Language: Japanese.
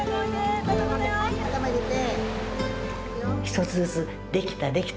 頭入れて。